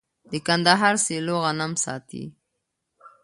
د کندهار سیلو غنم ساتي.